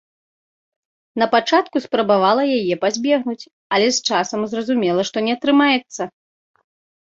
На пачатку спрабавала яе пазбегнуць, але з часам зразумела, што не атрымаецца.